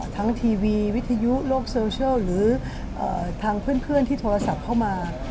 ทีวีวิทยุโลกโซเชียลหรือทางเพื่อนที่โทรศัพท์เข้ามา